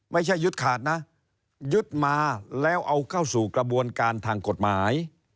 ยึดขาดนะยึดมาแล้วเอาเข้าสู่กระบวนการทางกฎหมาย